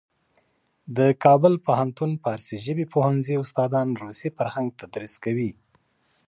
د کابل پوهنتون فارسي ژبې پوهنځي استادان روسي فرهنګ تدریس کوي.